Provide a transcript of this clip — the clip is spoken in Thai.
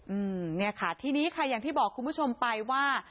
อืมเนี่ยค่ะทีนี้ค่ะอย่างที่บอกคุณผู้ชมไปว่า